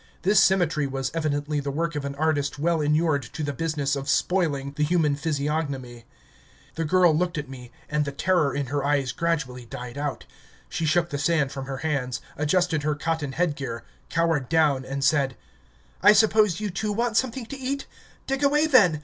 This symmetry was evidently the work of an artist well inured to the business of spoiling the human physiognomy. The girl looked at me, and the terror in her eyes gradually died out... She shook the sand from her hands, adjusted her cotton head gear, cowered down, and said: "I suppose you too want something to eat? Dig away then!